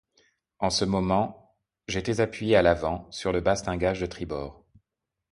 En ce moment, j’étais appuyé à l’avant, sur le bastingage de tribord.